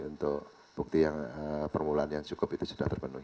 untuk bukti yang permulaan yang cukup itu sudah terpenuhi